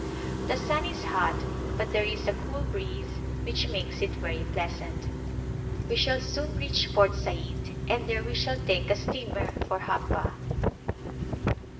The sun is hot but there is a cool breeze which makes it very pleasant. We shall soon reach Port Said and there we shall take a steamer for Joppa.